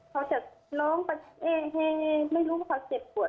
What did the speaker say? เขาจะร้องเฮไม่รู้ว่าเขาเจ็บปวด